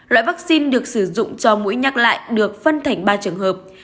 loại vaccine được sử dụng cho mũi nhắc lại được phân thành ba trường hợp